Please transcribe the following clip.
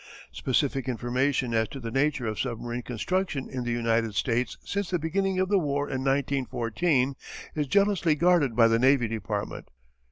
Specific information as to the nature of submarine construction in the United States since the beginning of the war in 1914 is jealously guarded by the Navy Department.